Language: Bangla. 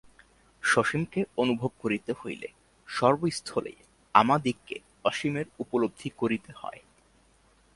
সসীমকে অনুভব করিতে হইলে সর্বস্থলেই আমাদিগকে অসীমের উপলব্ধি করিতে হয়।